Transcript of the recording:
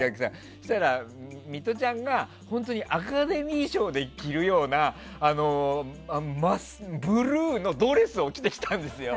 そしたら、ミトちゃんが本当にアカデミー賞で着るようなブルーのドレスを着てきたんですよ。